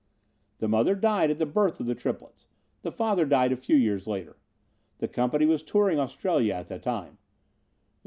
"The mother died at the birth of the triplets. The father died a few years later. The company was touring Australia at the time.